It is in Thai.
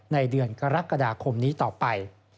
ในเดือนกรกฎาคมนี้ต่อไป